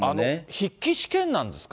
筆記試験なんですか？